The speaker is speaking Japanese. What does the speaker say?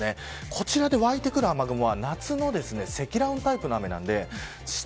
こちらでわいてくる雨雲は夏の積乱雲タイプの雨です。